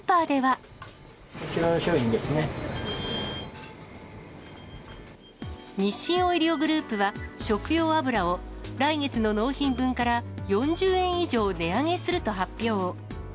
日清オイリオグループは、食用油を来月の納品分から４０円以上値上げすると発表。